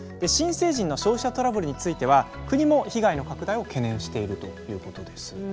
新成人の消費者トラブルについては国も被害の拡大を懸念しているということです。